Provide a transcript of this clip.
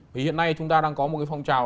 vì hiện nay chúng ta đang có một cái phong trào